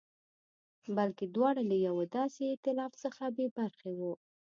بلکې دواړه له یوه داسې اېتلاف څخه بې برخې وو.